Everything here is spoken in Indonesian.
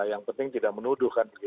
yang penting tidak menuduhkan